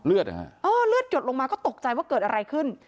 เลือดอ่ะฮะอ้อเลือดหยดลงมาก็ตกใจว่าเกิดอะไรขึ้น